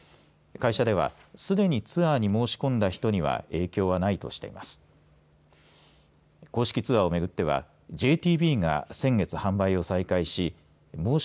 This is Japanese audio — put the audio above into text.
会社では、すでにツアーに申し込んだ人には影響はないとしています。